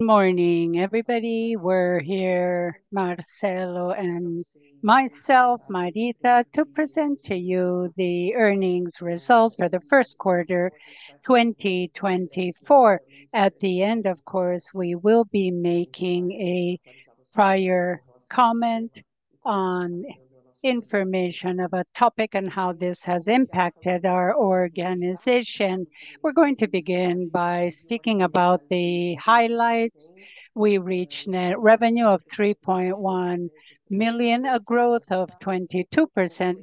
Good morning, everybody. We're here, Marcelo and myself, Marita, to present to you the earnings results for the first quarter 2024. At the end, of course, we will be making a prior comment on information about topic and how this has impacted our organization. We're going to begin by speaking about the highlights. We reached net revenue of 3.1 million, a growth of 22%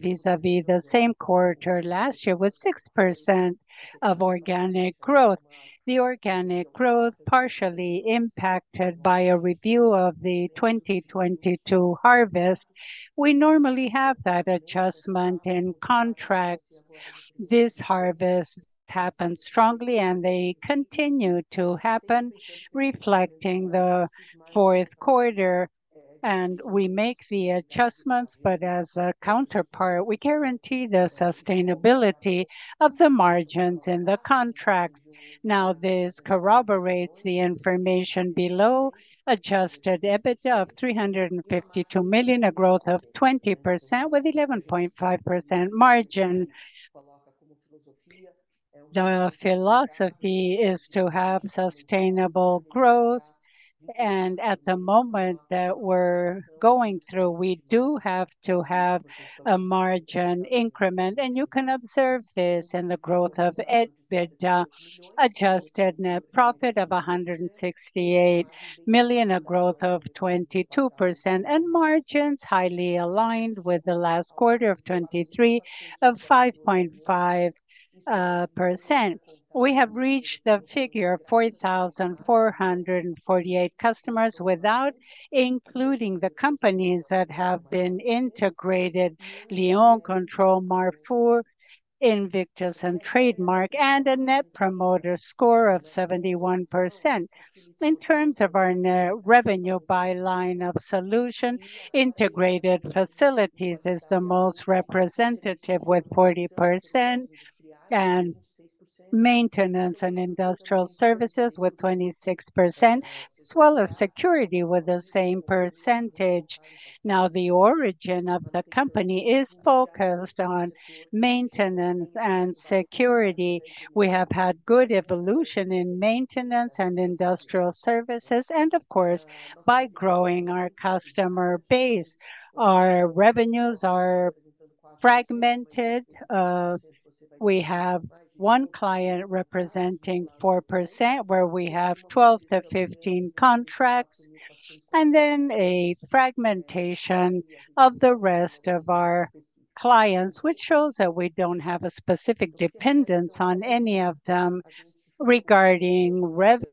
vis-à-vis the same quarter last year with 6% of organic growth. The organic growth partially impacted by a review of the 2022 harvest. We normally have that adjustment in contracts. This harvest happened strongly, and they continue to happen, reflecting the fourth quarter. And we make the adjustments, but as a counterpart, we guarantee the sustainability of the margins in the contract. Now, this corroborates the information below: adjusted EBITDA of 352 million, a growth of 20% with 11.5% margin. The philosophy is to have sustainable growth. At the moment that we're going through, we do have to have a margin increment. You can observe this in the growth of EBITDA, adjusted net profit of 168 million, a growth of 22%, and margins highly aligned with the last quarter of 2023 of 5.5%. We have reached the figure of 4,448 customers without including the companies that have been integrated: Lyon, Control, Marfood, Invictus and Trademark, and a Net Promoter Score of 71%. In terms of our net revenue by line of solution, integrated facilities is the most representative with 40%, and maintenance and industrial services with 26%, as well as security with the same percentage. Now, the origin of the company is focused on maintenance and security. We have had good evolution in maintenance and industrial services, and of course, by growing our customer base. Our revenues are fragmented. We have one client representing 4% where we have 12-15 contracts, and then a fragmentation of the rest of our clients, which shows that we don't have a specific dependence on any of them regarding revenue.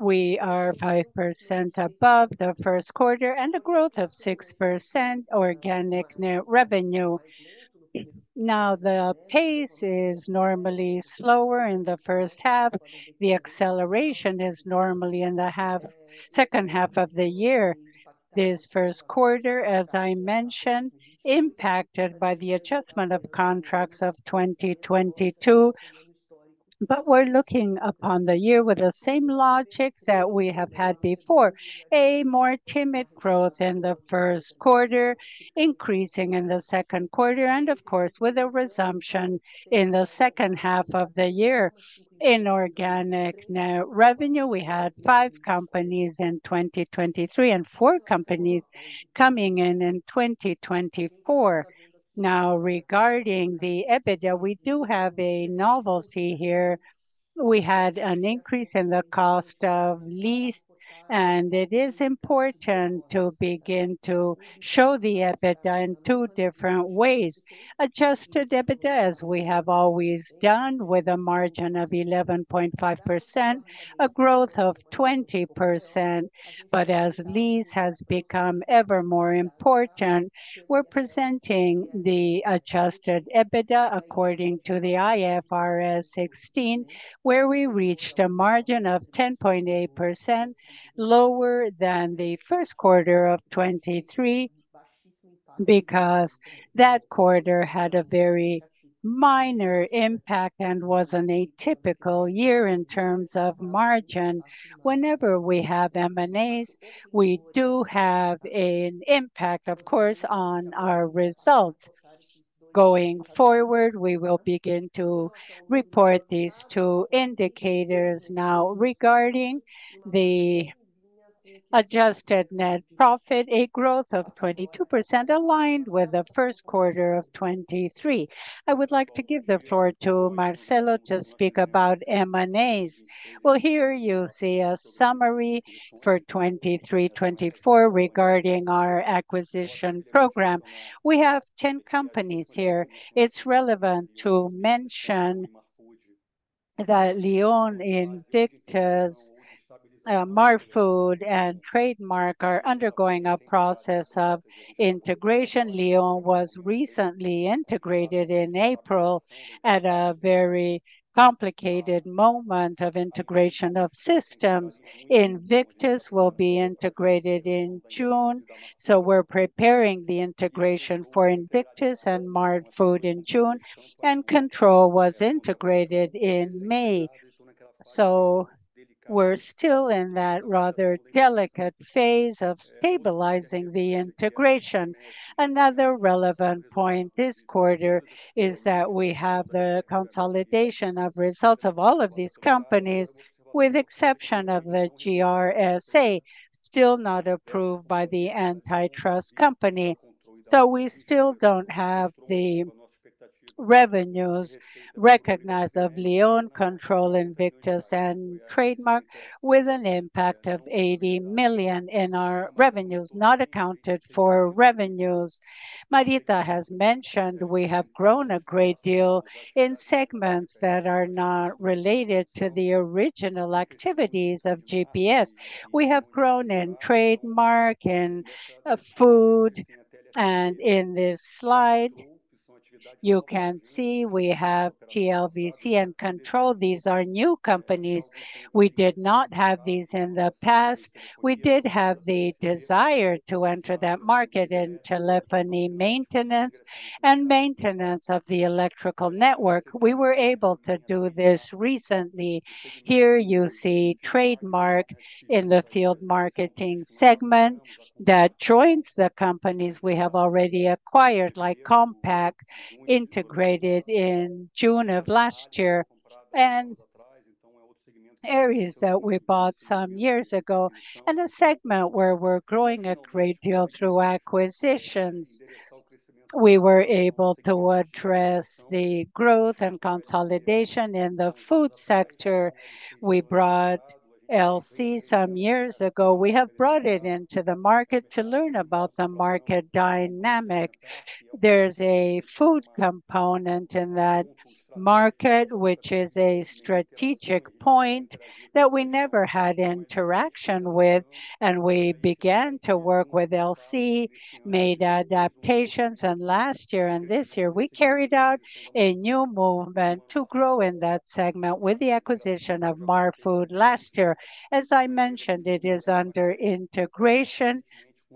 We are 5% above the first quarter and a growth of 6% organic net revenue. Now, the pace is normally slower in the first half. The acceleration is normally in the second half of the year. This first quarter, as I mentioned, is impacted by the adjustment of contracts of 2022, but we're looking upon the year with the same logics that we have had before: a more timid growth in the first quarter, increasing in the second quarter, and of course, with a resumption in the second half of the year in organic net revenue. We had five companies in 2023 and four companies coming in in 2024. Now, regarding the EBITDA, we do have a novelty here. We had an increase in the cost of lease, and it is important to begin to show the EBITDA in two different ways: adjusted EBITDA, as we have always done, with a margin of 11.5%, a growth of 20%. But as lease has become ever more important, we're presenting the adjusted EBITDA according to the IFRS 16, where we reached a margin of 10.8% lower than the first quarter of 2023 because that quarter had a very minor impact and was an atypical year in terms of margin. Whenever we have M&As, we do have an impact, of course, on our results. Going forward, we will begin to report these two indicators. Now, regarding the adjusted net profit, a growth of 22% aligned with the first quarter of 2023. I would like to give the floor to Marcelo to speak about M&As. Well, here you see a summary for 2023-2024 regarding our acquisition program. We have 10 companies here. It's relevant to mention that Lyon, Invictus, Marfood, and Trademark are undergoing a process of integration. Lyon was recently integrated in April at a very complicated moment of integration of systems. Invictus will be integrated in June, so we're preparing the integration for Invictus and Marfood in June. And Control was integrated in May, so we're still in that rather delicate phase of stabilizing the integration. Another relevant point this quarter is that we have the consolidation of results of all of these companies, with the exception of the GRSA, still not approved by the Antitrust company. So we still don't have the revenues recognized of Lyon, Control, Invictus, and Trademark, with an impact of 80 million in our revenues, not accounted for revenues. Marita has mentioned we have grown a great deal in segments that are not related to the original activities of GPS. We have grown in Trademark, in food, and in this slide you can see we have TLSV and Control. These are new companies. We did not have these in the past. We did have the desire to enter that market in telephony maintenance and maintenance of the electrical network. We were able to do this recently. Here you see Trademark in the field marketing segment that joins the companies we have already acquired, like Campseg, integrated in June of last year, and areas that we bought some years ago, and a segment where we're growing a great deal through acquisitions. We were able to address the growth and consolidation in the food sector. We brought LC some years ago. We have brought it into the market to learn about the market dynamic. There's a food component in that market, which is a strategic point that we never had interaction with. And we began to work with LC, made adaptations, and last year and this year we carried out a new movement to grow in that segment with the acquisition of Marfood last year. As I mentioned, it is under integration.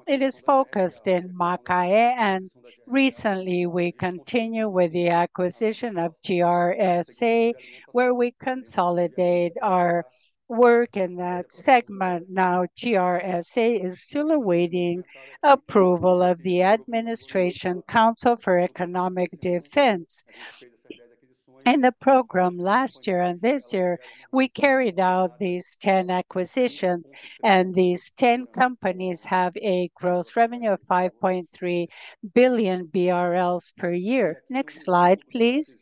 It is focused in Macaé. And recently we continue with the acquisition of GRSA, where we consolidate our work in that segment. Now, GRSA is still awaiting approval of the Administrative Council for Economic Defense. In the program last year and this year we carried out these 10 acquisitions, and these 10 companies have a gross revenue of 5.3 billion BRL per year. Next slide, please.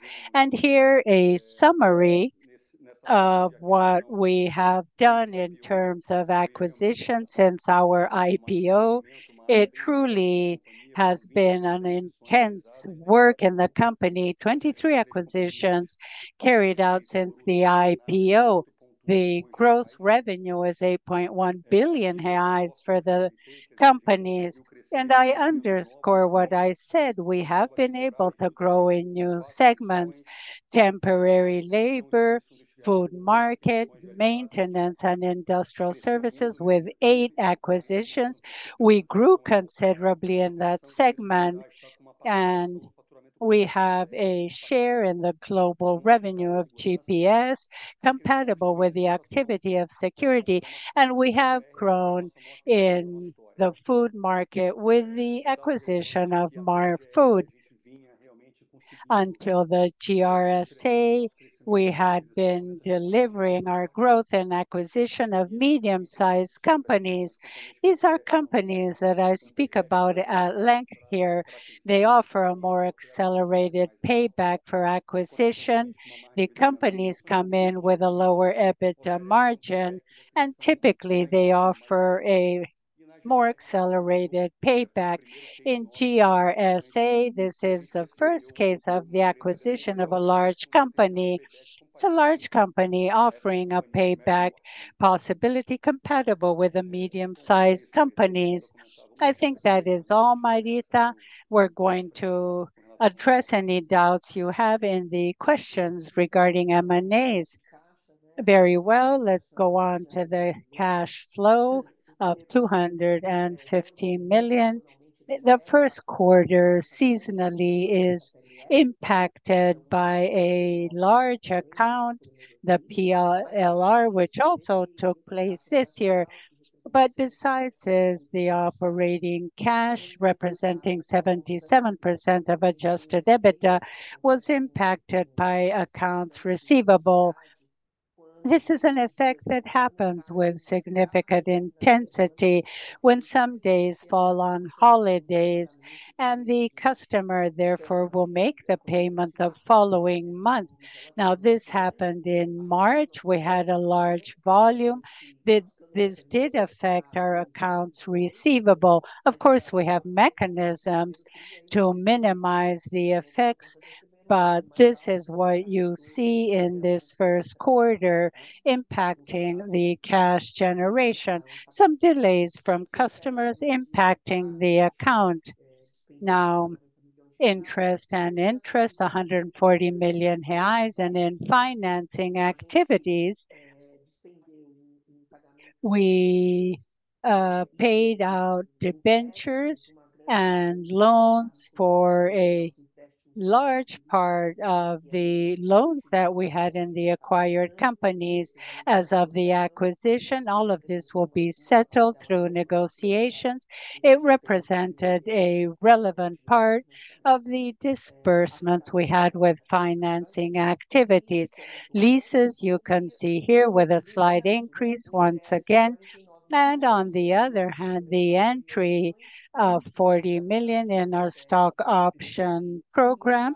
Here is a summary of what we have done in terms of acquisitions since our IPO. It truly has been an intense work in the company. 23 acquisitions carried out since the IPO. The gross revenue is 8.1 billion reais for the companies. I underscore what I said. We have been able to grow in new segments: temporary labor, food market, maintenance, and industrial services with 8 acquisitions. We grew considerably in that segment, and we have a share in the global revenue of GPS compatible with the activity of security. We have grown in the food market with the acquisition of Marfood. Until the GRSA, we had been delivering our growth and acquisition of medium-sized companies. These are companies that I speak about at length here. They offer a more accelerated payback for acquisition. The companies come in with a lower EBITDA margin, and typically they offer a more accelerated payback. In GRSA, this is the first case of the acquisition of a large company. It's a large company offering a payback possibility compatible with medium-sized companies. I think that is all, Marita. We're going to address any doubts you have in the questions regarding M&As. Very well. Let's go on to the cash flow of 215 million. The first quarter seasonally is impacted by a large account, the PLR, which also took place this year. But besides the operating cash representing 77% of adjusted EBITDA, was impacted by accounts receivable. This is an effect that happens with significant intensity when some days fall on holidays, and the customer therefore will make the payment the following month. Now, this happened in March. We had a large volume. This did affect our accounts receivable. Of course, we have mechanisms to minimize the effects, but this is what you see in this first quarter impacting the cash generation: some delays from customers impacting the account. Now, interest and interest: 140 million reais. And in financing activities, we paid out debentures and loans for a large part of the loans that we had in the acquired companies as of the acquisition. All of this will be settled through negotiations. It represented a relevant part of the disbursements we had with financing activities. Leases, you can see here with a slight increase once again. On the other hand, the entry of 40 million in our stock option program,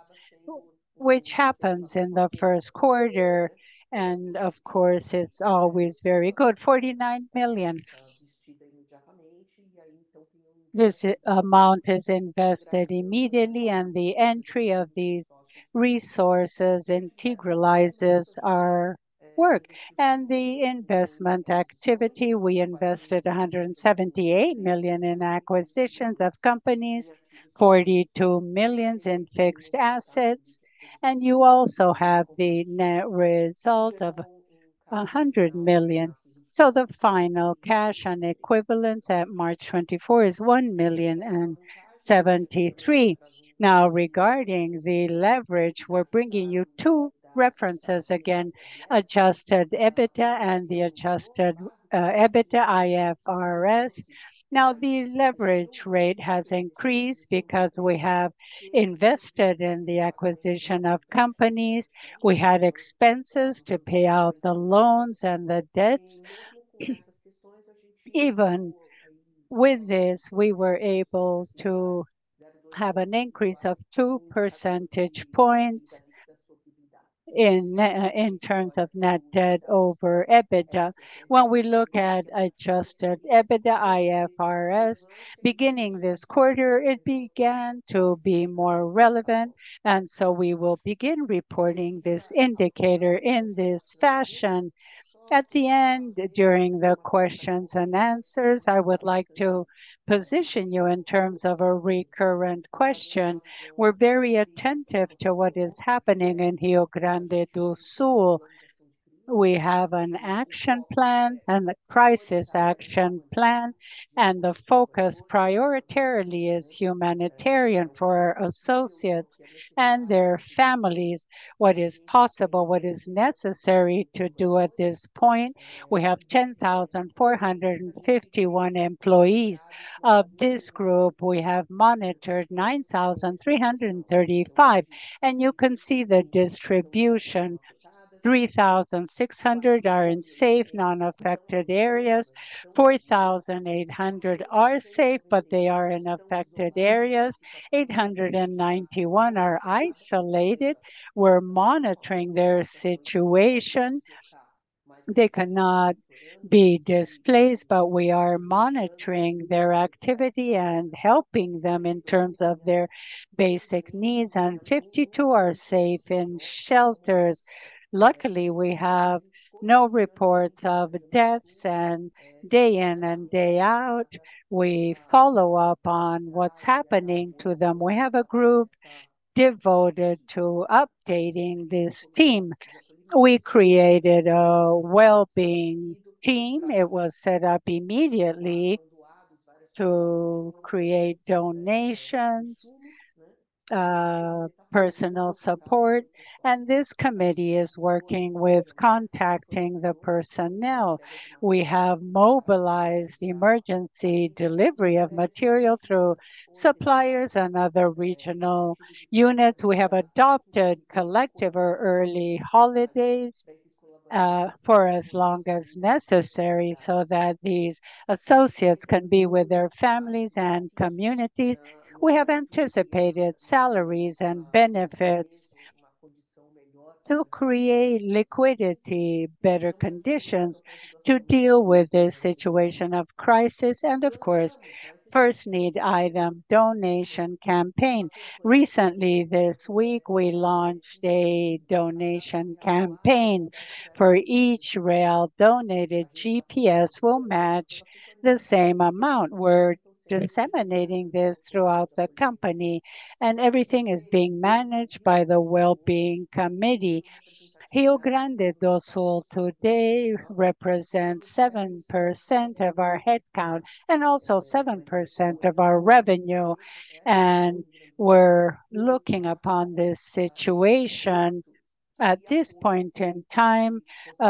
which happens in the first quarter, and of course it's always very good: 49 million. This amount is invested immediately, and the entry of these resources integralizes our work and the investment activity. We invested 178 million in acquisitions of companies, 42 million in fixed assets, and you also have the net result of 100 million. The final cash and equivalents at March 2024 is 1.73 million. Now, regarding the leverage, we're bringing you two references again: adjusted EBITDA and the adjusted EBITDA IFRS. Now, the leverage rate has increased because we have invested in the acquisition of companies. We had expenses to pay out the loans and the debts. Even with this, we were able to have an increase of two percentage points in terms of net debt over EBITDA. When we look at Adjusted EBITDA IFRS beginning this quarter, it began to be more relevant. And so we will begin reporting this indicator in this fashion. At the end, during the questions and answers, I would like to position you in terms of a recurrent question. We're very attentive to what is happening in Rio Grande do Sul. We have an action plan, a crisis action plan, and the focus prioritarily is humanitarian for our associates and their families. What is possible, what is necessary to do at this point? We have 10,451 employees. Of this group, we have monitored 9,335, and you can see the distribution: 3,600 are in safe, non-affected areas, 4,800 are safe, but they are in affected areas, 891 are isolated. We're monitoring their situation. They cannot be displaced, but we are monitoring their activity and helping them in terms of their basic needs. 52 are safe in shelters. Luckily, we have no reports of deaths, and day in and day out, we follow up on what's happening to them. We have a group devoted to updating this team. We created a well-being team. It was set up immediately to create donations, personal support, and this committee is working with contacting the personnel. We have mobilized emergency delivery of material through suppliers and other regional units. We have adopted collective early holidays for as long as necessary so that these associates can be with their families and communities. We have anticipated salaries and benefits to create liquidity, better conditions to deal with this situation of crisis, and of course, first need item donation campaign. Recently this week, we launched a donation campaign for each real donated. GPS will match the same amount. We're disseminating this throughout the company, and everything is being managed by the well-being committee. Rio Grande do Sul today represents 7% of our headcount and also 7% of our revenue. We're looking upon this situation at this point in time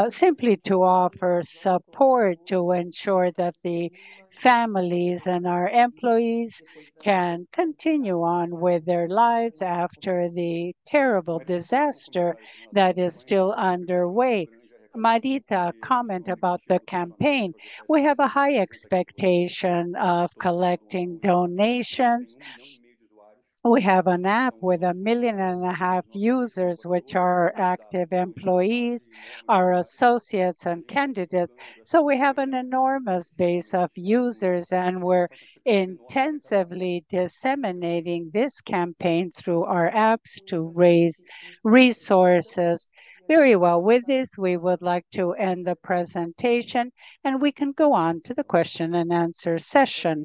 simply to offer support to ensure that the families and our employees can continue on with their lives after the terrible disaster that is still underway. Marita, comment about the campaign. We have a high expectation of collecting donations. We have an app with 1.5 million users, which are active employees, our associates, and candidates. So we have an enormous base of users, and we're intensively disseminating this campaign through our apps to raise resources. Very well. With this, we would like to end the presentation, and we can go on to the question and answer session.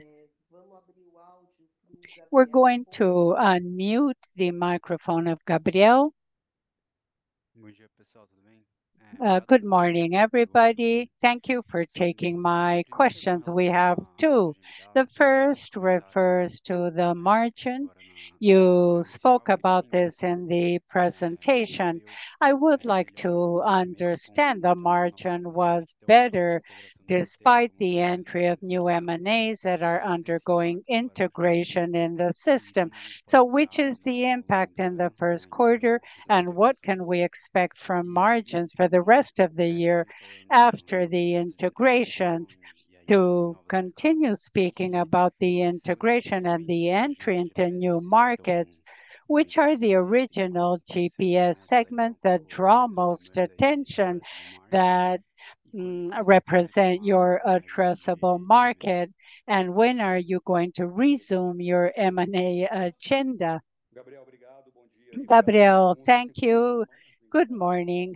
We're going to unmute the microphone of Gabriel. Good morning, everybody. Thank you for taking my questions. We have two. The first refers to the margin. You spoke about this in the presentation. I would like to understand the margin was better despite the entry of new M&As that are undergoing integration in the system. So which is the impact in the first quarter, and what can we expect from margins for the rest of the year after the integration? To continue speaking about the integration and the entry into new markets, which are the original GPS segments that draw most attention, that represent your addressable market? And when are you going to resume your M&A agenda? Gabriel, thank you. Good morning.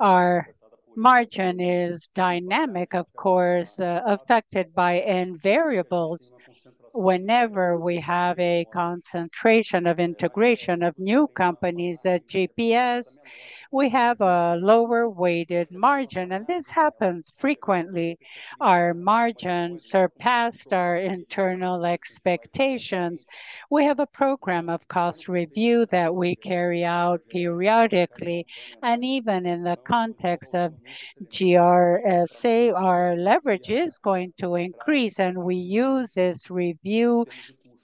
Our margin is dynamic, of course, affected by variables. Whenever we have a concentration of integration of new companies at GPS, we have a lower weighted margin, and this happens frequently. Our margins surpassed our internal expectations. We have a program of cost review that we carry out periodically, and even in the context of GRSA, our leverage is going to increase, and we use this review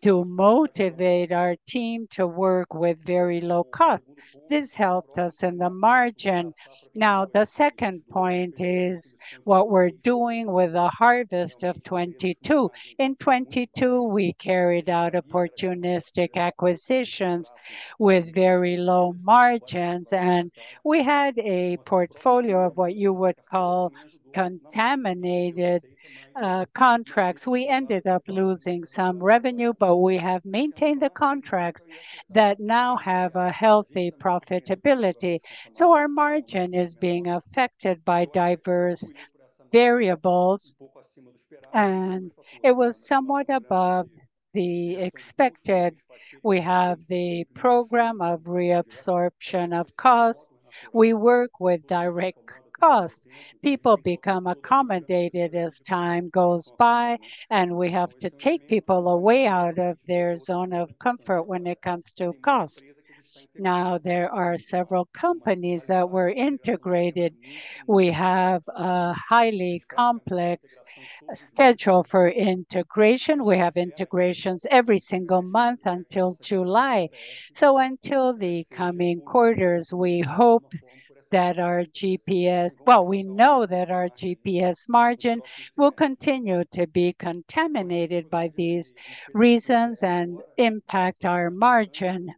to motivate our team to work with very low cost. This helped us in the margin. Now, the second point is what we're doing with the harvest of 2022. In 2022, we carried out opportunistic acquisitions with very low margins, and we had a portfolio of what you would call contaminated contracts. We ended up losing some revenue, but we have maintained the contracts that now have a healthy profitability. So our margin is being affected by diverse variables, and it was somewhat above the expected. We have the program of reabsorption of costs. We work with direct costs. People become accommodated as time goes by, and we have to take people away out of their zone of comfort when it comes to costs. Now, there are several companies that were integrated. We have a highly complex schedule for integration. We have integrations every single month until July. So until the coming quarters, we hope that our GPS well, we know that our GPS margin will continue to be contaminated by these reasons and impact our margin.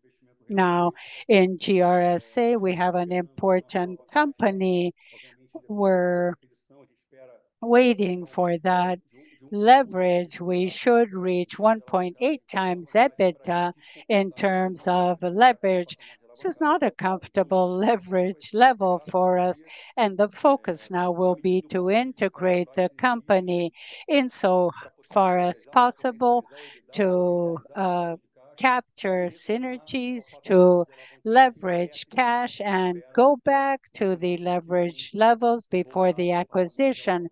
Now, in GRSA, we have an important company. We're waiting for that leverage. We should reach 1.8 times EBITDA in terms of leverage. This is not a comfortable leverage level for us, and the focus now will be to integrate the company insofar as possible to capture synergies, to leverage cash, and go back to the leverage levels before the acquisition.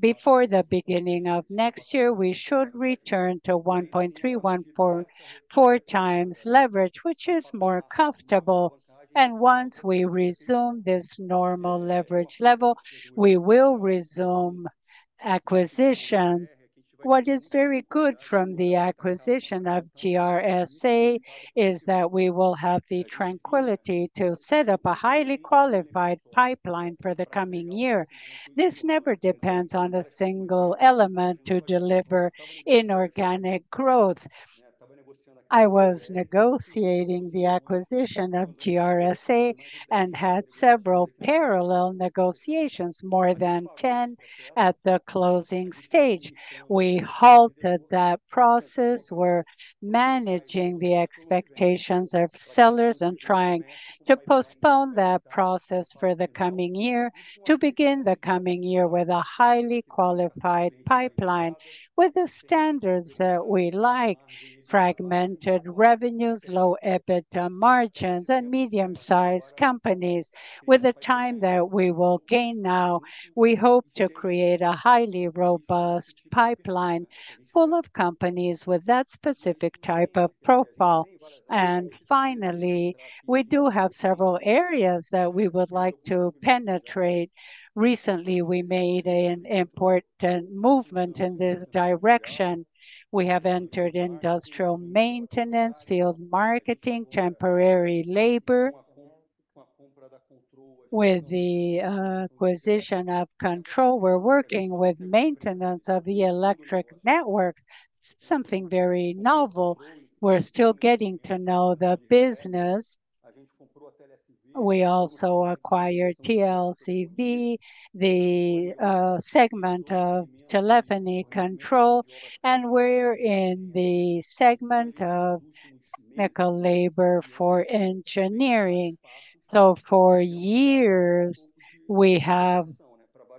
Before the beginning of next year, we should return to 1.3, 1.4 times leverage, which is more comfortable. Once we resume this normal leverage level, we will resume acquisition. What is very good from the acquisition of GRSA is that we will have the tranquility to set up a highly qualified pipeline for the coming year. This never depends on a single element to deliver inorganic growth. I was negotiating the acquisition of GRSA and had several parallel negotiations, more than 10 at the closing stage. We halted that process. We're managing the expectations of sellers and trying to postpone that process for the coming year, to begin the coming year with a highly qualified pipeline with the standards that we like: fragmented revenues, low EBITDA margins, and medium-sized companies. With the time that we will gain now, we hope to create a highly robust pipeline full of companies with that specific type of profile. And finally, we do have several areas that we would like to penetrate. Recently, we made an important movement in this direction. We have entered industrial maintenance, field marketing, temporary labor. With the acquisition of Control, we're working with maintenance of the electric network, something very novel. We're still getting to know the business. We also acquired TLSV, the segment of telephony control, and we're in the segment of mechanical labor for engineering. So for years, we have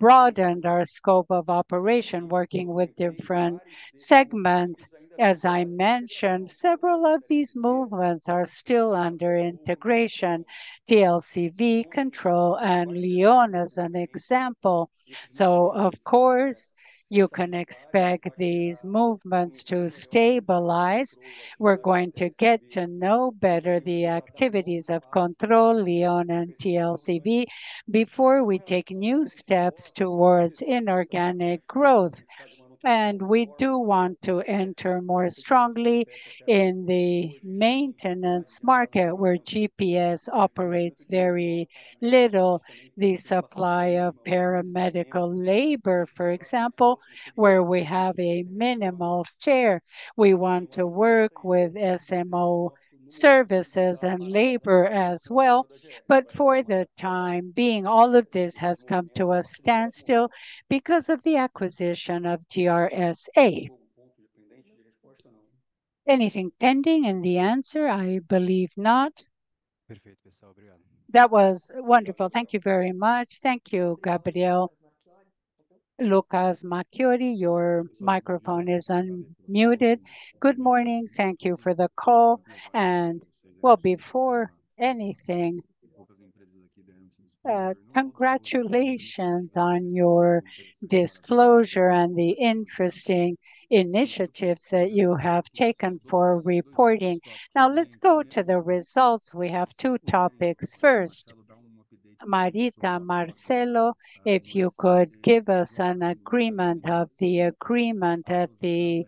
broadened our scope of operation, working with different segments. As I mentioned, several of these movements are still under integration: TLSV, Control, and Lyon as an example. So of course, you can expect these movements to stabilize. We're going to get to know better the activities of Control, Lyon, and TLSV before we take new steps towards inorganic growth. We do want to enter more strongly in the maintenance market where GPS operates very little. The supply of paramedical labor, for example, where we have a minimal share. We want to work with SMO services and labor as well. But for the time being, all of this has come to a standstill because of the acquisition of GRSA. Anything pending in the answer? I believe not. That was wonderful. Thank you very much. Thank you, Gabriel. Lucas Marquiori, your microphone is unmuted. Good morning. Thank you for the call. Well, before anything, congratulations on your disclosure and the interesting initiatives that you have taken for reporting. Now let's go to the results. We have two topics. First, Marita Marcelo, if you could give us an agreement of the agreement at the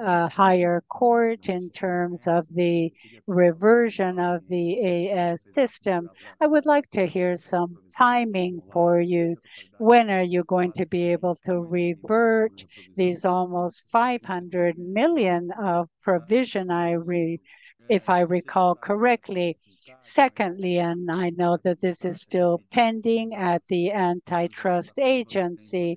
higher court in terms of the reversion of the AS system. I would like to hear some timing for you. When are you going to be able to revert these almost 500 million of provision I read, if I recall correctly? Secondly, and I know that this is still pending at the antitrust agency,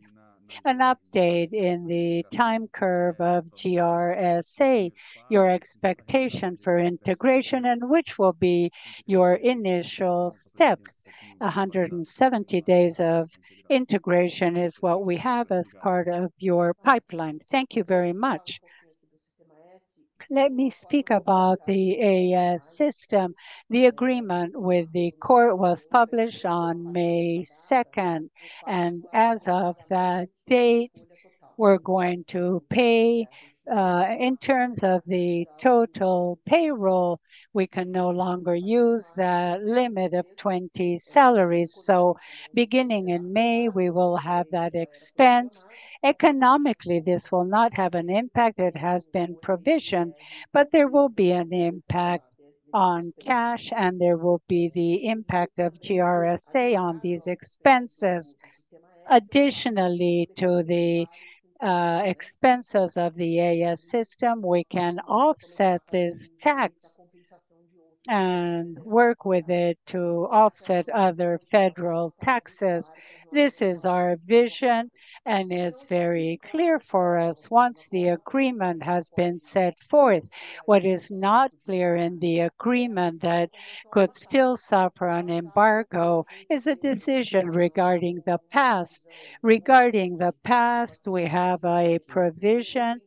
an update in the time curve of GRSA, your expectation for integration, and which will be your initial steps? 170 days of integration is what we have as part of your pipeline. Thank you very much. Let me speak about the AS system. The agreement with the court was published on May 2nd, and as of that date, we're going to pay. In terms of the total payroll, we can no longer use that limit of 20 salaries. So beginning in May, we will have that expense. Economically, this will not have an impact. It has been provisioned, but there will be an impact on cash, and there will be the impact of GRSA on these expenses. Additionally to the expenses of the Sistema S, we can offset this tax and work with it to offset other federal taxes. This is our vision, and it's very clear for us. Once the agreement has been set forth, what is not clear in the agreement that could still suffer an embargo is a decision regarding the past. Regarding the past, we have a provision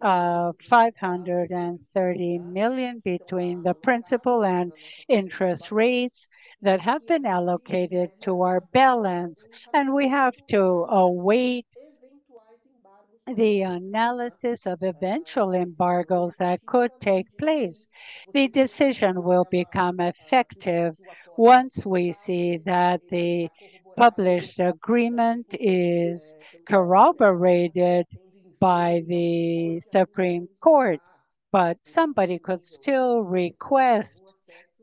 of 530 million between the principal and interest rates that have been allocated to our balance, and we have to await the analysis of eventual embargos that could take place. The decision will become effective once we see that the published agreement is corroborated by the Supreme Court. But somebody could still request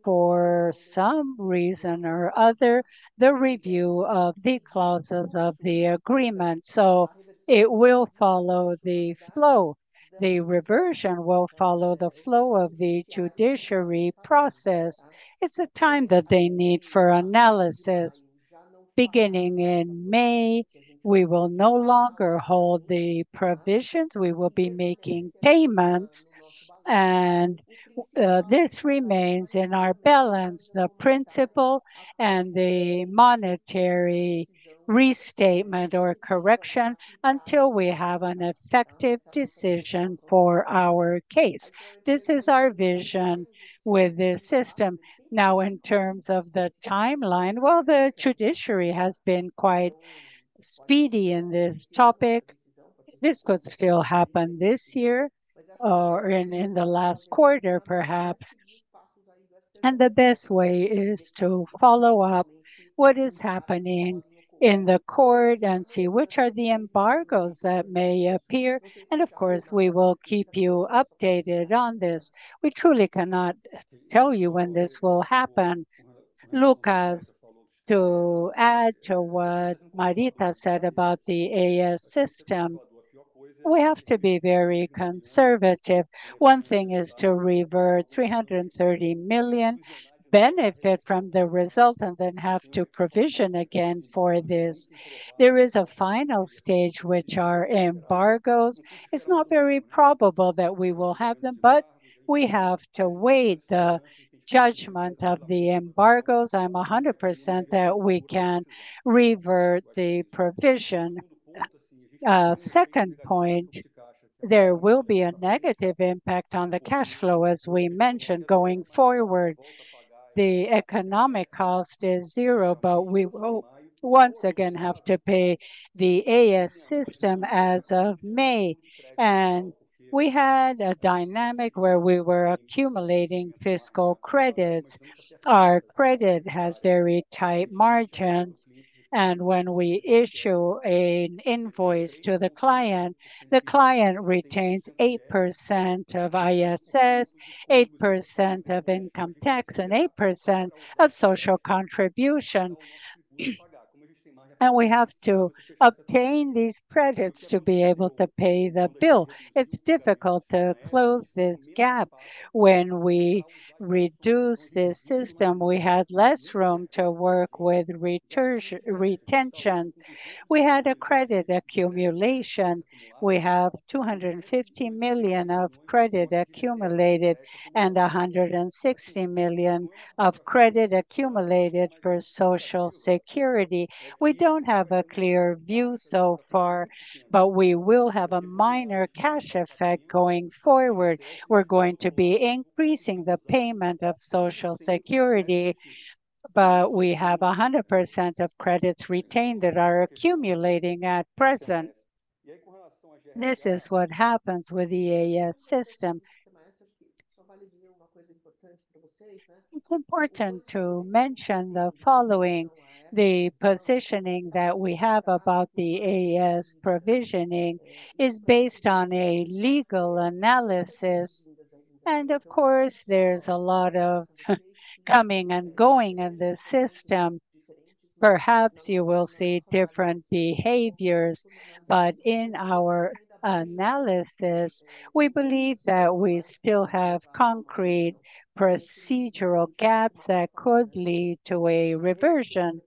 for some reason or other the review of the clauses of the agreement. So it will follow the flow. The reversion will follow the flow of the judiciary process. It's the time that they need for analysis. Beginning in May, we will no longer hold the provisions. We will be making payments, and this remains in our balance: the principal and the monetary restatement or correction until we have an effective decision for our case. This is our vision with this system. Now, in terms of the timeline, well, the judiciary has been quite speedy in this topic. This could still happen this year or in the last quarter, perhaps. The best way is to follow up what is happening in the court and see which are the embargos that may appear. Of course, we will keep you updated on this. We truly cannot tell you when this will happen. Lucas, to add to what Marita said about the Sistema S, we have to be very conservative. One thing is to revert 330 million, benefit from the result, and then have to provision again for this. There is a final stage, which are embargos. It's not very probable that we will have them, but we have to wait the judgment of the embargos. I'm 100% that we can revert the provision. Second point, there will be a negative impact on the cash flow, as we mentioned, going forward. The economic cost is zero, but we will once again have to pay the Sistema S as of May. We had a dynamic where we were accumulating fiscal credits. Our credit has very tight margins, and when we issue an invoice to the client, the client retains 8% of ISS, 8% of income tax, and 8% of social contribution. We have to obtain these credits to be able to pay the bill. It's difficult to close this gap. When we reduce this system, we had less room to work with retention. We had a credit accumulation. We have 250 million of credit accumulated and 160 million of credit accumulated for Social Security. We don't have a clear view so far, but we will have a minor cash effect going forward. We're going to be increasing the payment of Social Security, but we have 100% of credits retained that are accumulating at present. This is what happens with the Sistema S. It's important to mention the following: the positioning that we have about the AS provisioning is based on a legal analysis. Of course, there's a lot of coming and going in this system. Perhaps you will see different behaviors, but in our analysis, we believe that we still have concrete procedural gaps that could lead to a reversion.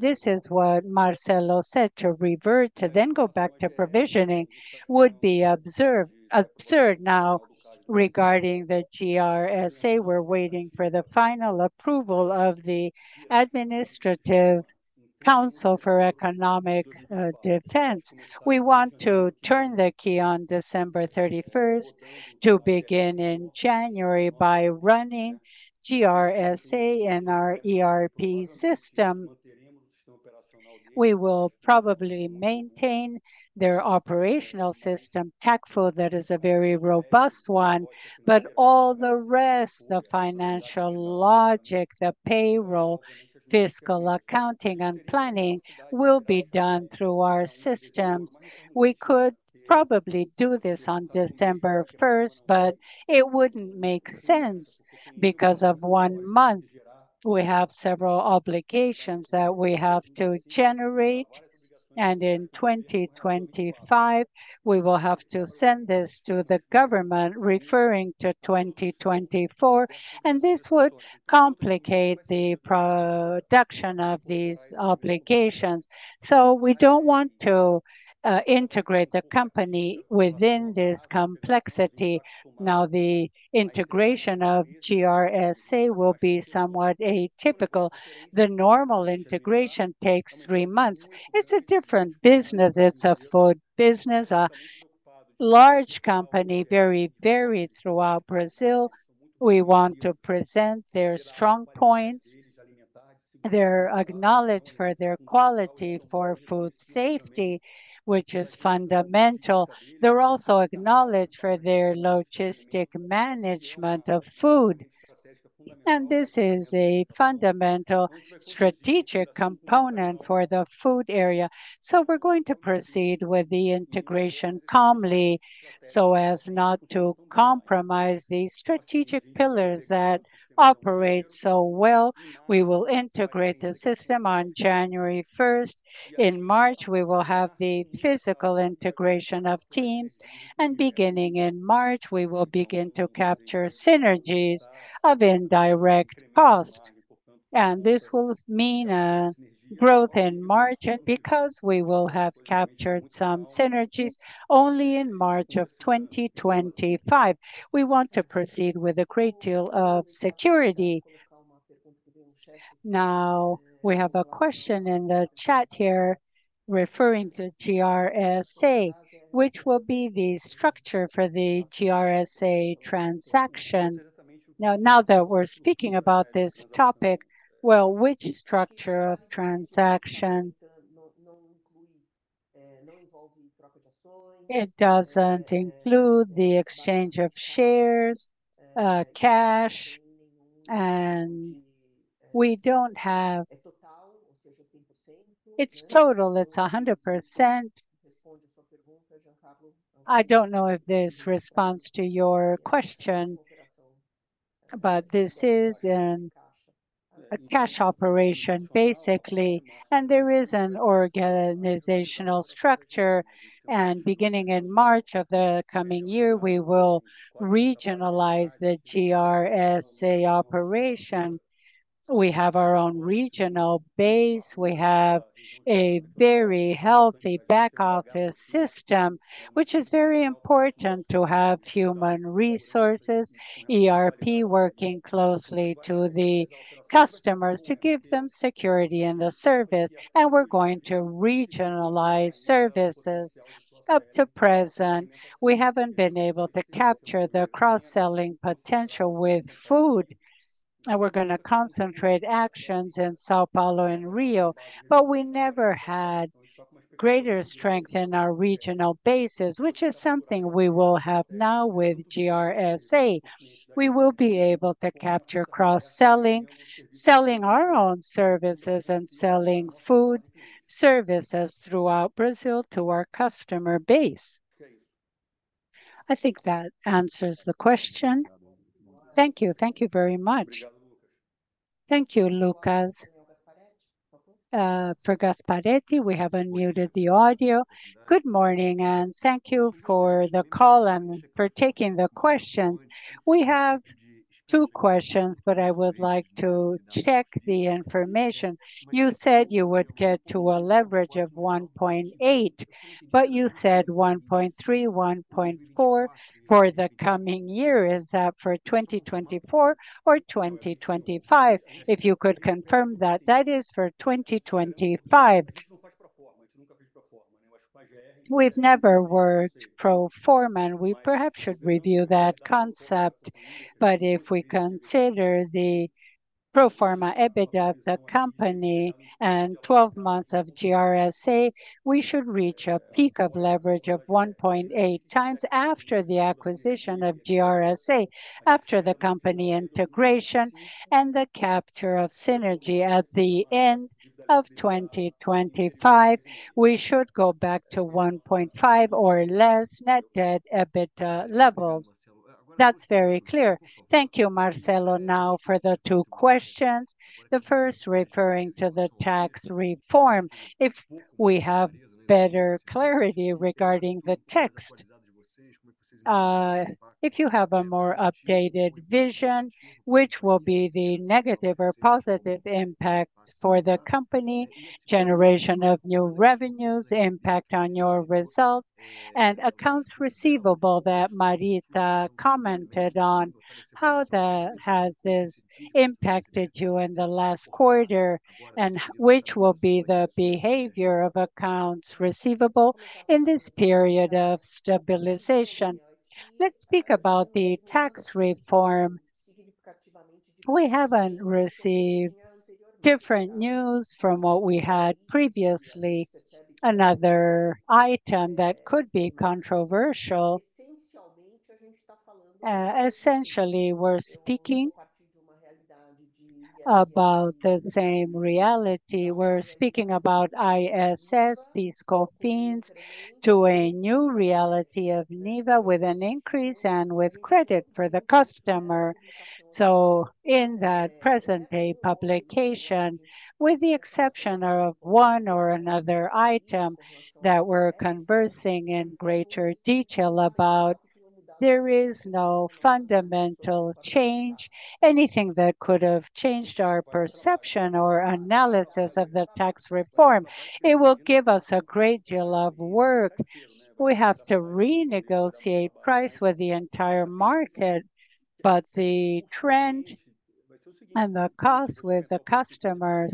This is what Marcelo said: to revert, to then go back to provisioning, would be absurd. Now, regarding the GRSA, we're waiting for the final approval of the Administrative Council for Economic Defense. We want to turn the key on December 31st to begin in January by running GRSA in our ERP system. We will probably maintain their operational system, TecFood. That is a very robust one. But all the rest, the financial logic, the payroll, fiscal accounting, and planning will be done through our systems. We could probably do this on December 1st, but it wouldn't make sense because of one month. We have several obligations that we have to generate, and in 2025, we will have to send this to the government, referring to 2024. This would complicate the production of these obligations. We don't want to integrate the company within this complexity. Now, the integration of GRSA will be somewhat atypical. The normal integration takes three months. It's a different business. It's a food business, a large company, very varied throughout Brazil. We want to present their strong points, their acknowledgment for their quality for food safety, which is fundamental. They're also acknowledged for their logistic management of food. This is a fundamental strategic component for the food area. We're going to proceed with the integration calmly, so as not to compromise the strategic pillars that operate so well. We will integrate the system on January 1st. In March, we will have the physical integration of teams. Beginning in March, we will begin to capture synergies of indirect cost. This will mean a growth in March because we will have captured some synergies only in March of 2025. We want to proceed with a great deal of security. Now, we have a question in the chat here referring to GRSA, which will be the structure for the GRSA transaction. Now, now that we're speaking about this topic, well, which structure of transaction? It doesn't include the exchange of shares, cash, and we don't have. It's total. It's 100%. I don't know if this responds to your question, but this is a cash operation, basically. There is an organizational structure. Beginning in March of the coming year, we will regionalize the GRSA operation. We have our own regional base. We have a very healthy back office system, which is very important to have human resources, ERP working closely to the customers to give them security in the service. We're going to regionalize services. Up to present, we haven't been able to capture the cross-selling potential with food. We're going to concentrate actions in São Paulo and Rio. We never had greater strength in our regional bases, which is something we will have now with GRSA. We will be able to capture cross-selling, selling our own services, and selling food services throughout Brazil to our customer base. I think that answers the question. Thank you. Thank you very much. Thank you, Lucas Pregasparete. We have unmuted the audio. Good morning, and thank you for the call and for taking the question. We have two questions, but I would like to check the information. You said you would get to a leverage of 1.8, but you said 1.3, 1.4 for the coming year. Is that for 2024 or 2025? If you could confirm that, that is for 2025. We've never worked pro forma. We perhaps should review that concept. But if we consider the pro forma EBITDA of the company and 12 months of GRSA, we should reach a peak of leverage of 1.8 times after the acquisition of GRSA, after the company integration and the capture of synergy. At the end of 2025, we should go back to 1.5 or less net debt EBITDA level. That's very clear. Thank you, Marcelo, now for the two questions. The first referring to the tax reform. If we have better clarity regarding the text, if you have a more updated vision, which will be the negative or positive impact for the company, generation of new revenues, impact on your results, and accounts receivable that Marita commented on, how that has this impacted you in the last quarter and which will be the behavior of accounts receivable in this period of stabilization? Let's speak about the tax reform. We haven't received different news from what we had previously. Another item that could be controversial. Essentially, we're speaking about the same reality. We're speaking about ISS, fiscal fees, to a new reality of NIVA with an increase and with credit for the customer. So in that present-day publication, with the exception of one or another item that we're conversing in greater detail about, there is no fundamental change, anything that could have changed our perception or analysis of the tax reform. It will give us a great deal of work. We have to renegotiate price with the entire market. But the trend and the cost with the customer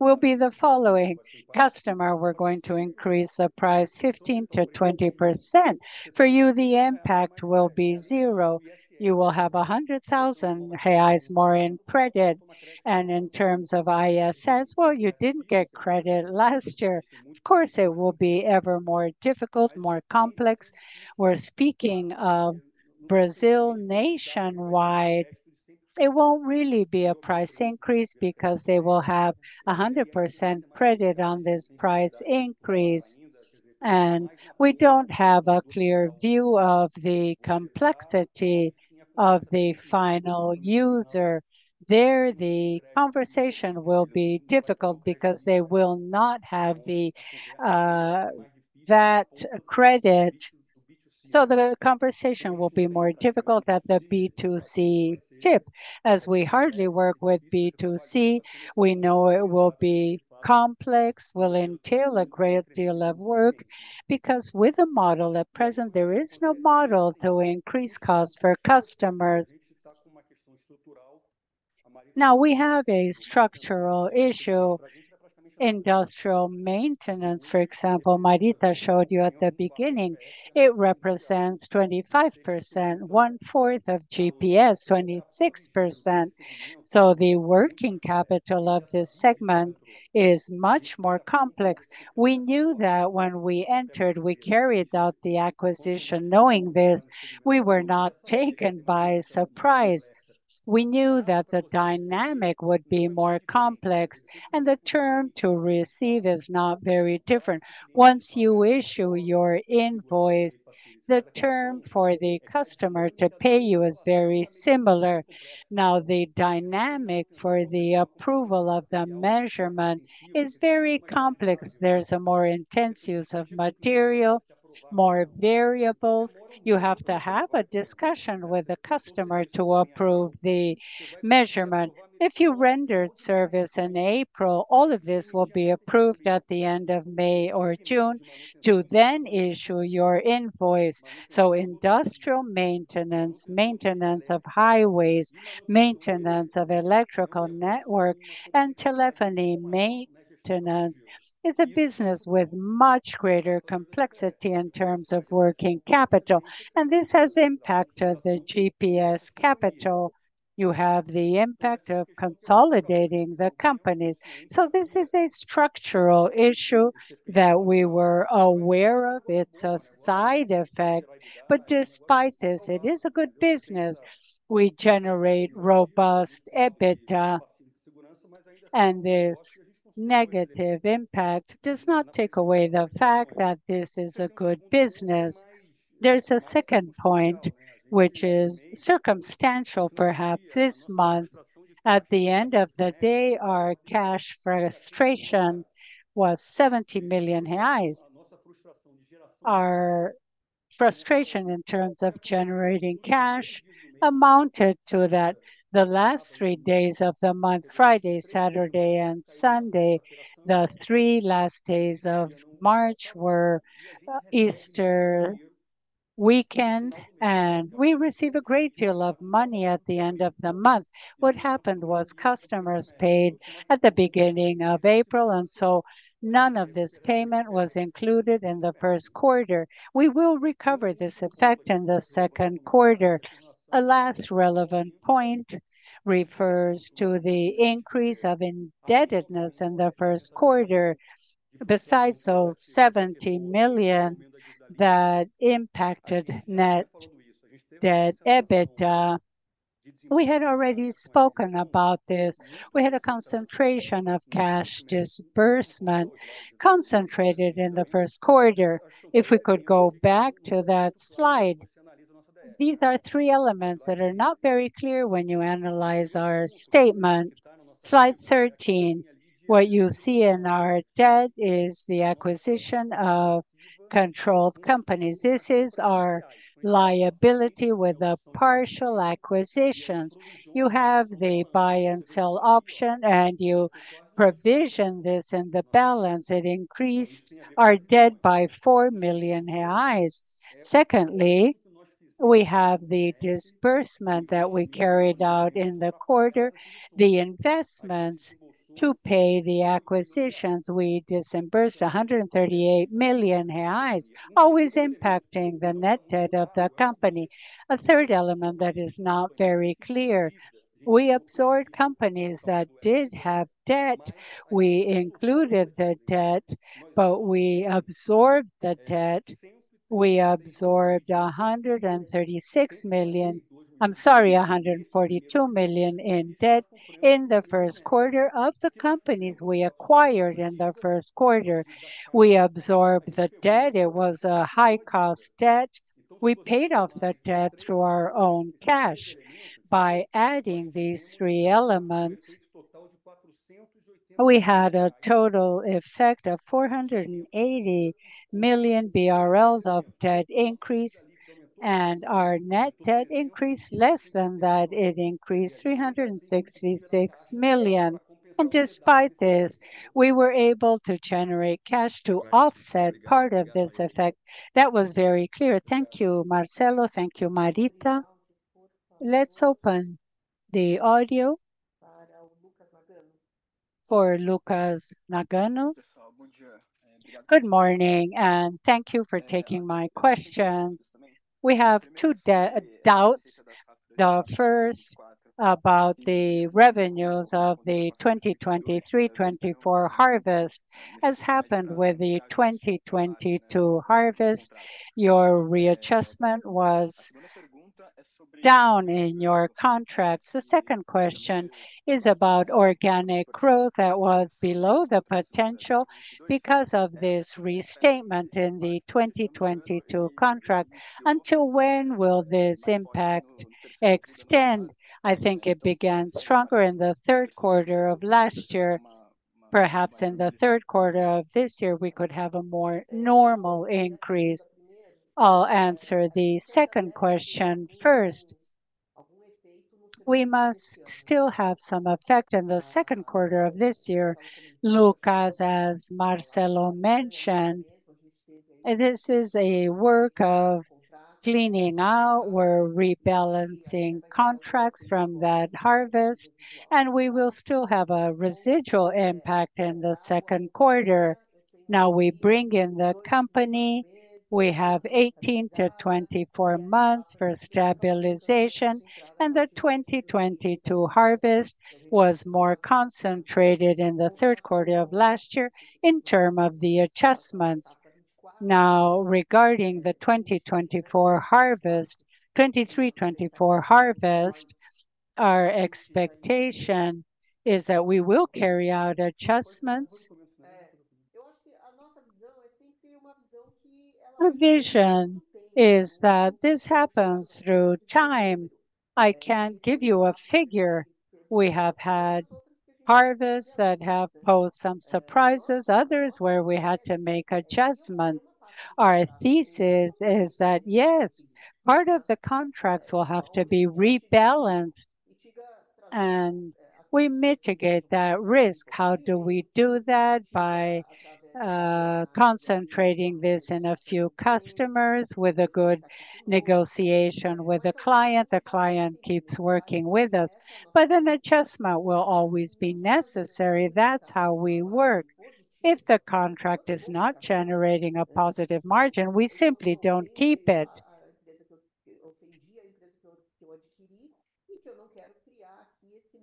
will be the following: Customer, we're going to increase the price 15%-20%. For you, the impact will be zero. You will have 100,000 reais more in credit. And in terms of ISS, well, you didn't get credit last year. Of course, it will be ever more difficult, more complex. We're speaking of Brazil nationwide. It won't really be a price increase because they will have 100% credit on this price increase. We don't have a clear view of the complexity of the final user there. The conversation will be difficult because they will not have that credit. So the conversation will be more difficult at the B2C tip, as we hardly work with B2C. We know it will be complex, will entail a great deal of work because with the model at present, there is no model to increase costs for customers. Now, we have a structural issue. Industrial maintenance, for example, Marita showed you at the beginning, it represents 25%, 1/4 of GPS, 26%. So the working capital of this segment is much more complex. We knew that when we entered, we carried out the acquisition knowing this. We were not taken by surprise. We knew that the dynamic would be more complex, and the term to receive is not very different. Once you issue your invoice, the term for the customer to pay you is very similar. Now, the dynamic for the approval of the measurement is very complex. There's a more intense use of material, more variables. You have to have a discussion with the customer to approve the measurement. If you rendered service in April, all of this will be approved at the end of May or June to then issue your invoice. So industrial maintenance, maintenance of highways, maintenance of electrical network, and telephony maintenance is a business with much greater complexity in terms of working capital. And this has impacted the GPS capital. You have the impact of consolidating the companies. So this is a structural issue that we were aware of. It's a side effect. But despite this, it is a good business. We generate robust EBITDA. This negative impact does not take away the fact that this is a good business. There's a second point, which is circumstantial, perhaps this month. At the end of the day, our cash frustration was BRL 70 million. Our frustration in terms of generating cash amounted to that the last three days of the month, Friday, Saturday, and Sunday, the three last days of March were Easter weekend, and we received a great deal of money at the end of the month. What happened was customers paid at the beginning of April, and so none of this payment was included in the first quarter. We will recover this effect in the second quarter. A last relevant point refers to the increase of indebtedness in the first quarter. Besides those 70 million that impacted net debt EBITDA, we had already spoken about this. We had a concentration of cash disbursement concentrated in the first quarter. If we could go back to that slide, these are three elements that are not very clear when you analyze our statement. Slide 13, what you see in our debt is the acquisition of controlled companies. This is our liability with the partial acquisitions. You have the buy and sell option, and you provision this in the balance. It increased our debt by 4 million reais. Secondly, we have the disbursement that we carried out in the quarter, the investments to pay the acquisitions. We disbursed 138 million reais, always impacting the net debt of the company. A third element that is not very clear. We absorbed companies that did have debt. We included the debt, but we absorbed the debt. We absorbed 136 million, I'm sorry, 142 million in debt in the first quarter of the companies we acquired in the first quarter. We absorbed the debt. It was a high-cost debt. We paid off the debt through our own cash. By adding these three elements, we had a total effect of 480 million BRL of debt increase, and our net debt increased less than that. It increased 366 million. And despite this, we were able to generate cash to offset part of this effect. That was very clear. Thank you, Marcelo. Thank you, Marita. Let's open the audio for Lucas Nagano. Good morning, and thank you for taking my question. We have two doubts. The first about the revenues of the 2023-24 harvest, as happened with the 2022 harvest. Your readjustment was down in your contracts. The second question is about organic growth that was below the potential because of this restatement in the 2022 contract. Until when will this impact extend? I think it began stronger in the third quarter of last year. Perhaps in the third quarter of this year, we could have a more normal increase. I'll answer the second question first. We must still have some effect in the second quarter of this year. Lucas, as Marcelo mentioned, this is a work of cleaning out. We're rebalancing contracts from that harvest, and we will still have a residual impact in the second quarter. Now we bring in the company. We have 18-24 months for stabilization, and the 2022 harvest was more concentrated in the third quarter of last year in terms of the adjustments. Now, regarding the 2024 harvest, 2023-2024 harvest, our expectation is that we will carry out adjustments. Our vision is that this happens through time. I can't give you a figure. We have had harvests that have posed some surprises, others where we had to make adjustments. Our thesis is that, yes, part of the contracts will have to be rebalanced, and we mitigate that risk. How do we do that? By concentrating this in a few customers with a good negotiation with the client. The client keeps working with us, but an adjustment will always be necessary. That's how we work. If the contract is not generating a positive margin, we simply don't keep it.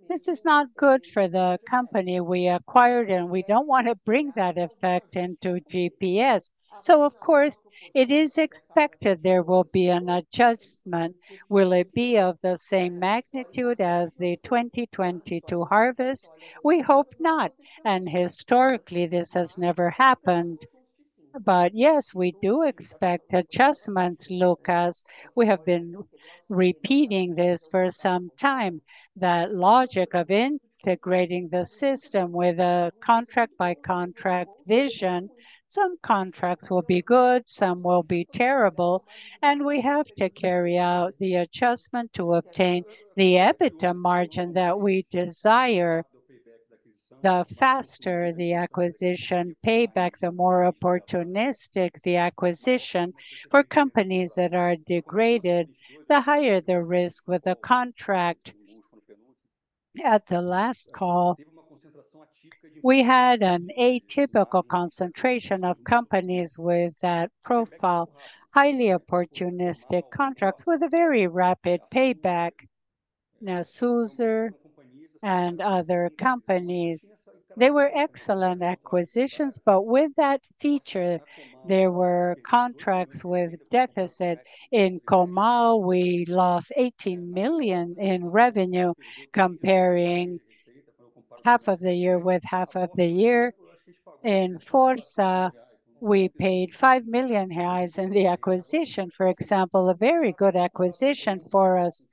This is not good for the company we acquired, and we don't want to bring that effect into GPS. So, of course, it is expected there will be an adjustment. Will it be of the same magnitude as the 2022 harvest? We hope not. Historically, this has never happened. But yes, we do expect adjustments. Lucas, we have been repeating this for some time, that logic of integrating the system with a contract-by-contract vision. Some contracts will be good, some will be terrible, and we have to carry out the adjustment to obtain the EBITDA margin that we desire. The faster the acquisition payback, the more opportunistic the acquisition for companies that are degraded, the higher the risk with the contract. At the last call, we had an atypical concentration of companies with that profile, highly opportunistic contract with a very rapid payback. Now, Sulclean and other companies, they were excellent acquisitions, but with that feature, there were contracts with deficit. In Comau, we lost 18 million in revenue comparing half of the year with half of the year. In Força, we paid 5 million reais in the acquisition, for example, a very good acquisition for us.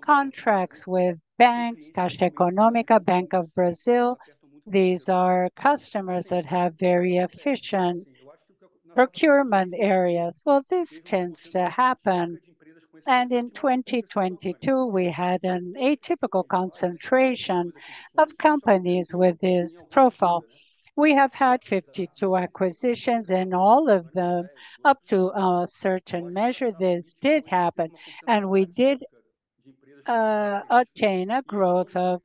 Contracts with banks, Caixa Econômica, Banco do Brasil, these are customers that have very efficient procurement areas. Well, this tends to happen. In 2022, we had an atypical concentration of companies with this profile. We have had 52 acquisitions, and all of them, up to a certain measure, this did happen, and we did obtain a growth of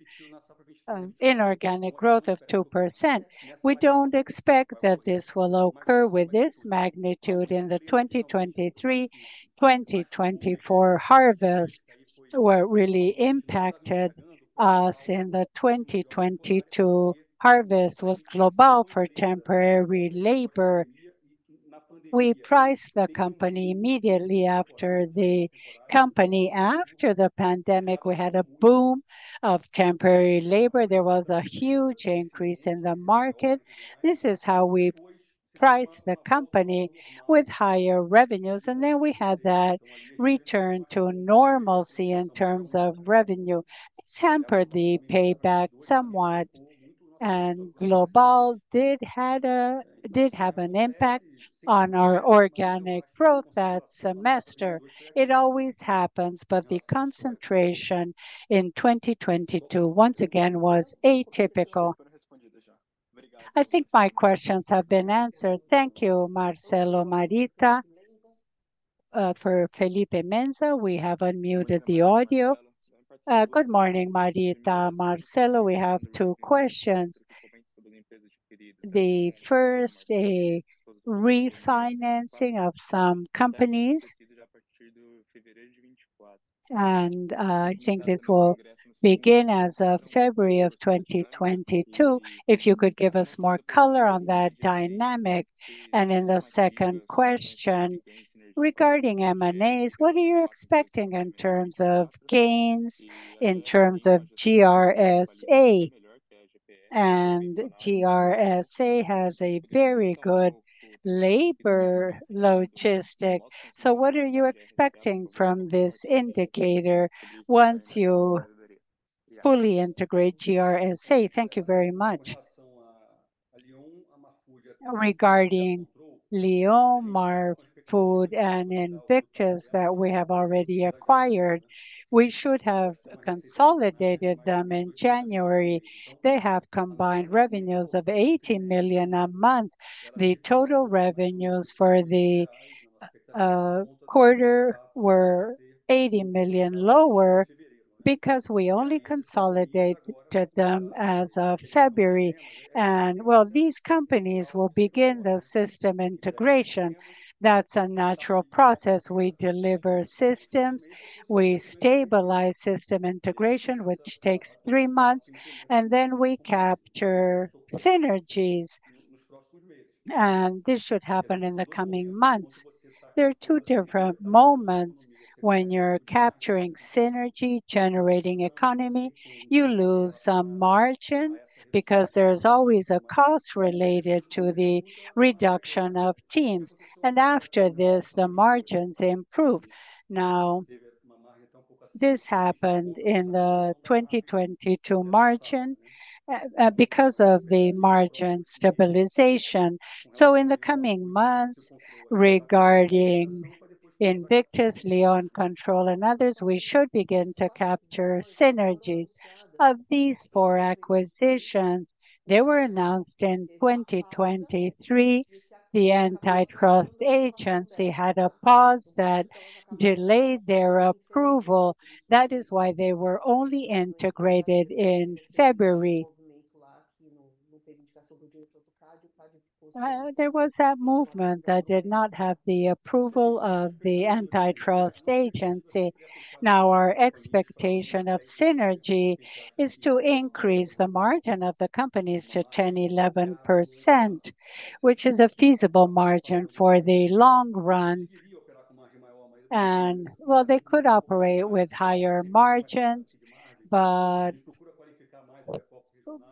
inorganic growth of 2%. We don't expect that this will occur with this magnitude in the 2023-2024 harvest. What really impacted us in the 2022 harvest was Global for temporary labor. We priced the company immediately after the company. After the pandemic, we had a boom of temporary labor. There was a huge increase in the market. This is how we priced the company with higher revenues. And then we had that return to normalcy in terms of revenue. This hampered the payback somewhat, and Global did have an impact on our organic growth that semester. It always happens, but the concentration in 2022, once again, was atypical. I think my questions have been answered. Thank you, Marcelo. Marita, for Felipe Mensa. We have unmuted the audio. Good morning, Marita. Marcelo, we have two questions. The first, a refinancing of some companies, and I think this will begin as of February of 2022. If you could give us more color on that dynamic. And then the second question regarding M&As, what are you expecting in terms of gains, in terms of GRSA? And GRSA has a very good labor logistic. So what are you expecting from this indicator once you fully integrate GRSA? Thank you very much. Regarding Lyon, Marfood, and Invictus that we have already acquired, we should have consolidated them in January. They have combined revenues of 18 million a month. The total revenues for the quarter were 80 million lower because we only consolidated them as of February. Well, these companies will begin the system integration. That's a natural process. We deliver systems. We stabilize system integration, which takes 3 months, and then we capture synergies. This should happen in the coming months. There are 2 different moments. When you're capturing synergy, generating economy, you lose some margin because there's always a cost related to the reduction of teams. After this, the margins improve. Now, this happened in the 2022 margin because of the margin stabilization. In the coming months, regarding Invictus, Lyon, Control, and others, we should begin to capture synergies of these 4 acquisitions. They were announced in 2023. The Antitrust Agency had a pause that delayed their approval. That is why they were only integrated in February. There was that movement that did not have the approval of the antitrust agency. Now, our expectation of synergy is to increase the margin of the companies to 10-11%, which is a feasible margin for the long run. Well, they could operate with higher margins,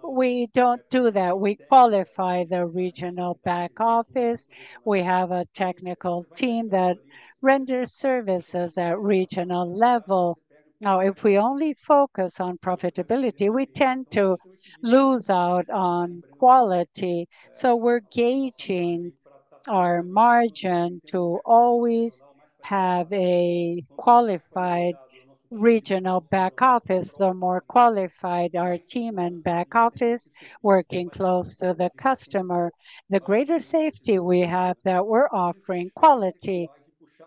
but we don't do that. We qualify the regional back office. We have a technical team that renders services at regional level. Now, if we only focus on profitability, we tend to lose out on quality. We're gauging our margin to always have a qualified regional back office. The more qualified our team and back office working close to the customer, the greater safety we have that we're offering quality.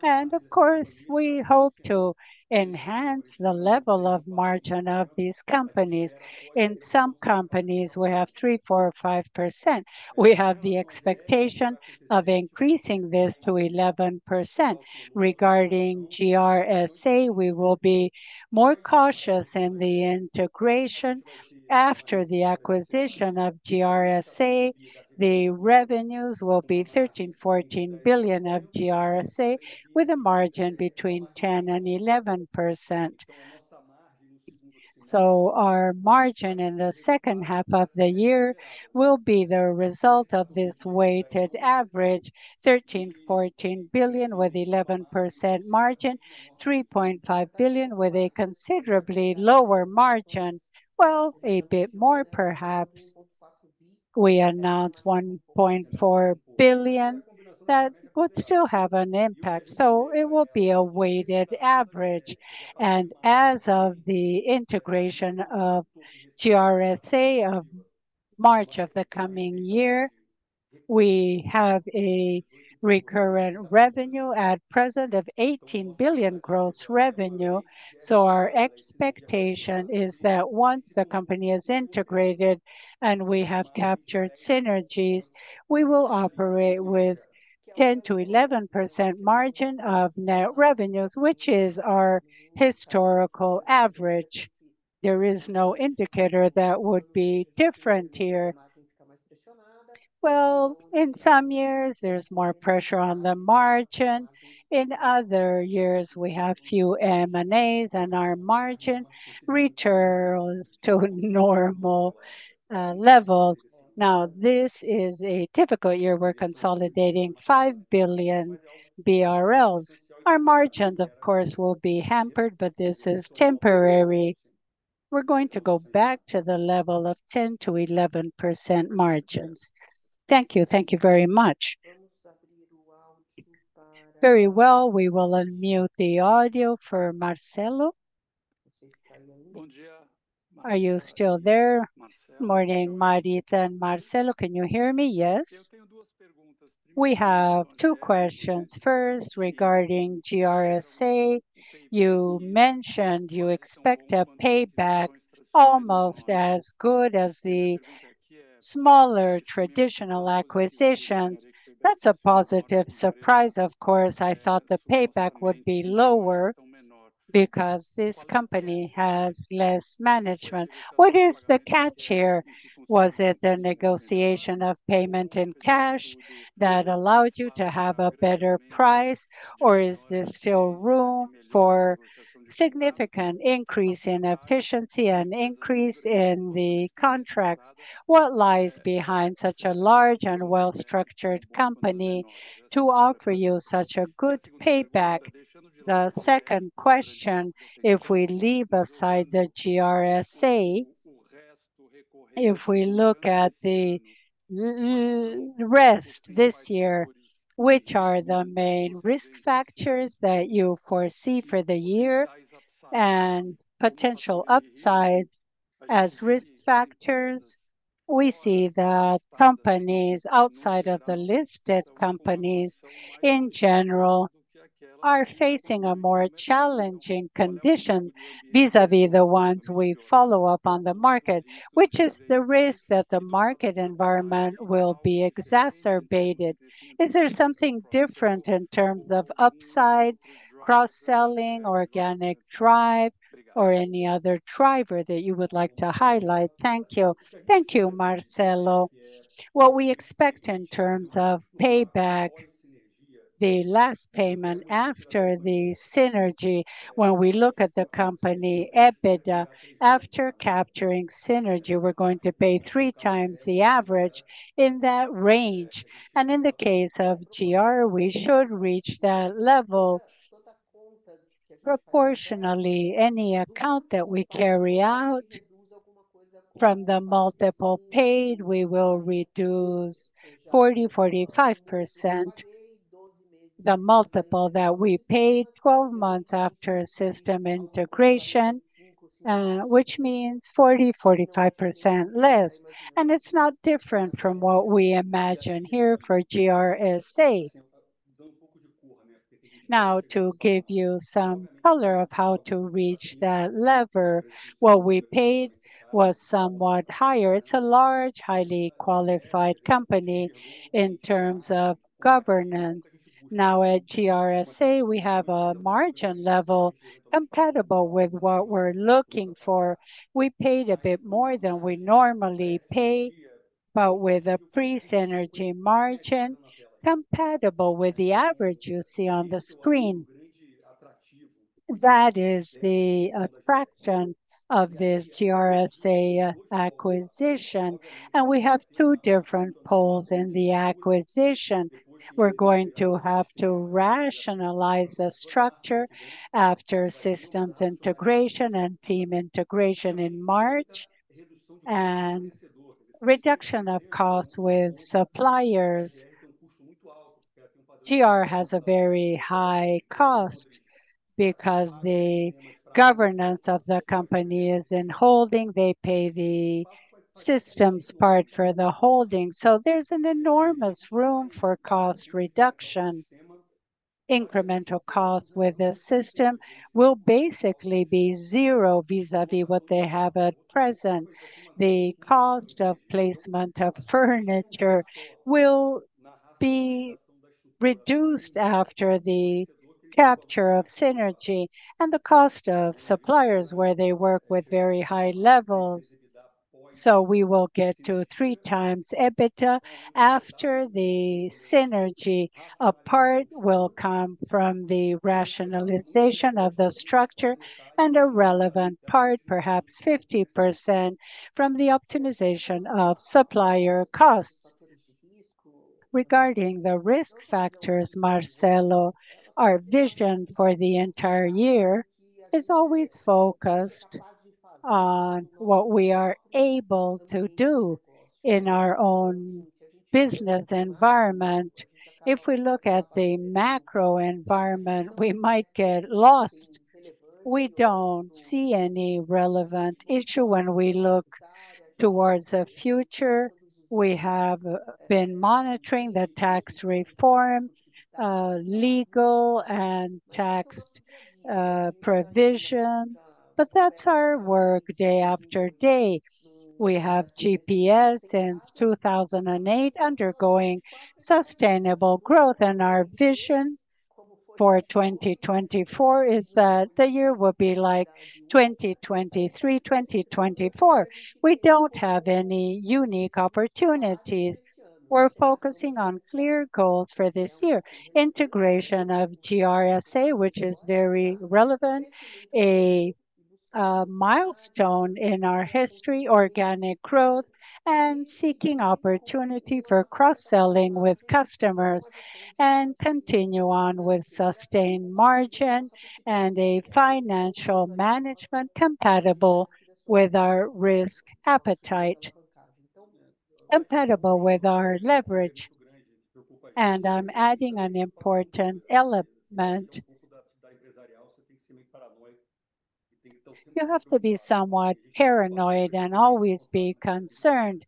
Of course, we hope to enhance the level of margin of these companies. In some companies, we have 3, 4, or 5%. We have the expectation of increasing this to 11%. Regarding GRSA, we will be more cautious in the integration. After the acquisition of GRSA, the revenues will be 13 billion-14 billion of GRSA with a margin between 10%-11%. So our margin in the second half of the year will be the result of this weighted average: 13 billion-14 billion with 11% margin, 3.5 billion with a considerably lower margin. Well, a bit more, perhaps. We announced 1.4 billion. That would still have an impact. So it will be a weighted average. And as of the integration of GRSA of March of the coming year, we have a recurrent revenue at present of 18 billion gross revenue. So our expectation is that once the company is integrated and we have captured synergies, we will operate with 10%-11% margin of net revenues, which is our historical average. There is no indicator that would be different here. Well, in some years, there's more pressure on the margin. In other years, we have few M&As, and our margin returns to normal levels. Now, this is a typical year. We're consolidating 5 billion BRL. Our margins, of course, will be hampered, but this is temporary. We're going to go back to the level of 10%-11% margins. Thank you. Thank you very much. Very well. We will unmute the audio for Marcelo. Are you still there? Good morning, Marita and Marcelo. Can you hear me? Yes. We have two questions. First, regarding GRSA, you mentioned you expect a payback almost as good as the smaller traditional acquisitions. That's a positive surprise, of course. I thought the payback would be lower because this company has less management. What is the catch here? Was it the negotiation of payment in cash that allowed you to have a better price, or is there still room for significant increase in efficiency and increase in the contracts? What lies behind such a large and well-structured company to offer you such a good payback? The second question, if we leave aside the GRSA, if we look at the rest this year, which are the main risk factors that you foresee for the year and potential upside as risk factors, we see that companies outside of the listed companies, in general, are facing a more challenging condition vis-à-vis the ones we follow up on the market, which is the risk that the market environment will be exacerbated. Is there something different in terms of upside, cross-selling, organic drive, or any other driver that you would like to highlight? Thank you. Thank you, Marcelo. What we expect in terms of payback, the last payment after the synergy, when we look at the company EBITDA, after capturing synergy, we're going to pay three times the average in that range. And in the case of GR, we should reach that level proportionally. Any account that we carry out from the multiple paid, we will reduce 40-45% the multiple that we paid 12 months after system integration, which means 40-45% less. And it's not different from what we imagine here for GRSA. Now, to give you some color of how to reach that level, what we paid was somewhat higher. It's a large, highly qualified company in terms of governance. Now, at GRSA, we have a margin level compatible with what we're looking for. We paid a bit more than we normally pay, but with a pre-synergy margin compatible with the average you see on the screen. That is the attraction of this GRSA acquisition. We have 2 different poles in the acquisition. We're going to have to rationalize the structure after systems integration and team integration in March and reduction of costs with suppliers. GR has a very high cost because the governance of the company is in holding. They pay the systems part for the holding. There's an enormous room for cost reduction. Incremental costs with the system will basically be zero vis-à-vis what they have at present. The cost of placement of furniture will be reduced after the capture of synergy and the cost of suppliers where they work with very high levels. We will get to 3x EBITDA after the synergy. A part will come from the rationalization of the structure and a relevant part, perhaps 50%, from the optimization of supplier costs. Regarding the risk factors, Marcelo, our vision for the entire year is always focused on what we are able to do in our own business environment. If we look at the macro environment, we might get lost. We don't see any relevant issue when we look towards the future. We have been monitoring the tax reform, legal, and tax provisions, but that's our work day after day. We have GPS since 2008 undergoing sustainable growth. Our vision for 2024 is that the year will be like 2023, 2024. We don't have any unique opportunities. We're focusing on clear goals for this year: integration of GRSA, which is very relevant, a milestone in our history, organic growth, and seeking opportunity for cross-selling with customers, and continue on with sustained margin and a financial management compatible with our risk appetite, compatible with our leverage. I'm adding an important element. You have to be somewhat paranoid and always be concerned.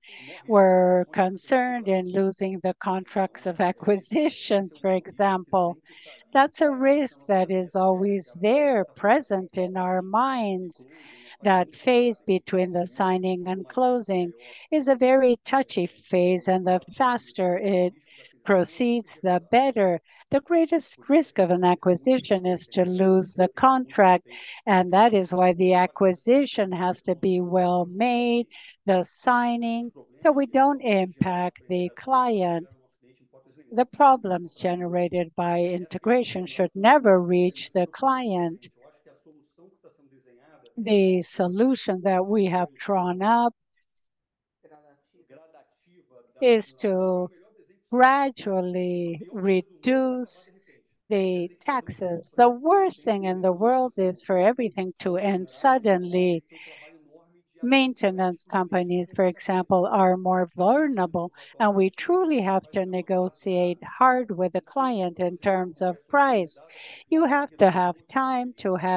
We're concerned in losing the contracts of acquisition, for example. That's a risk that is always there, present in our minds. That phase between the signing and closing is a very touchy phase. The faster it proceeds, the better. The greatest risk of an acquisition is to lose the contract. That is why the acquisition has to be well made, the signing, so we don't impact the client. The problems generated by integration should never reach the client. The solution that we have drawn up is to gradually reduce the taxes. The worst thing in the world is for everything to end suddenly. Maintenance companies, for example, are more vulnerable. We truly have to negotiate hard with the client in terms of price. You have to have time to.